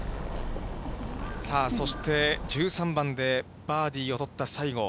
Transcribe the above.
そして、１３番でバーディーを取った西郷。